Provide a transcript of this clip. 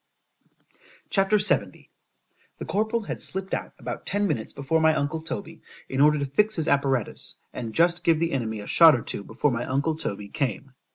C H A P. LXX THE corporal had slipped out about ten minutes before my uncle Toby, in order to fix his apparatus, and just give the enemy a shot or two before my uncle Toby came.